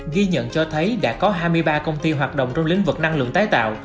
ghi nhận cho thấy đã có hai mươi ba công ty hoạt động trong lĩnh vực năng lượng tái tạo